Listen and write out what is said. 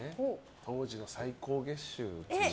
当時の最高月収。